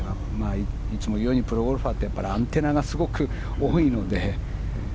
いつも言うようにプロゴルファーってアンテナがすごく多いので。